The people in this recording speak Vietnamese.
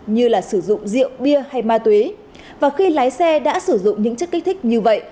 như là sử dụng rượu bia hay ma túy và khi lái xe đã sử dụng những chất kích thích như vậy